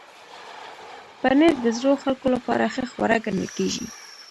پنېر د زړو خلکو لپاره ښه خواړه ګڼل کېږي.